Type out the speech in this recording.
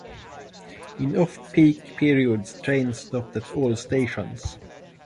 In off peak periods, trains stop at all stations.